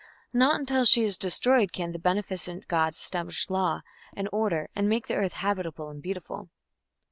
Not until she is destroyed can the beneficent gods establish law and order and make the earth habitable and beautiful.